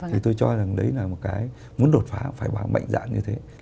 thì tôi cho rằng đấy là một cái muốn đột phá phải mạnh dạn như thế